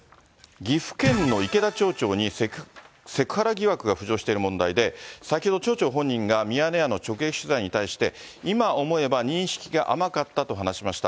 岐阜県の池田町長にセクハラ疑惑が浮上している問題で、先ほど町長本人がミヤネ屋の直撃取材に対して、今思えば認識が甘かったと話しました。